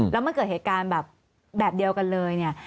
แล้วมันเกิดเหตุการณ์แบบเดียวกันเลยเนี่ย